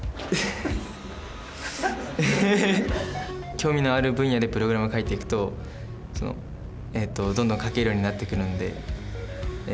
興味のある分野でプログラム書いていくとそのえっとどんどん書けるようになってくるんでえ